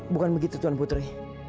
bukan begitu tuan putri